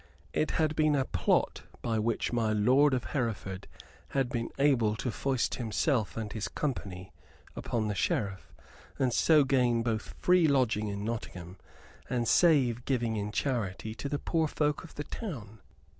It had been a plot by which my lord of Hereford had been able to foist himself and his company upon the Sheriff, and so gain both free lodging in Nottingham and save giving in charity to the poor folk of the town.